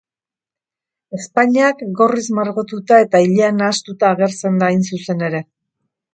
Ezpainak gorriz margotuta eta ilea nahastuta agertzen da, hain zuzen ere.